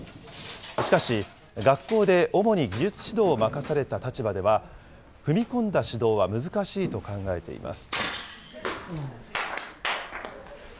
しかし、学校で主に技術指導を任された立場では、踏み込んだ指導は難しいと考えています。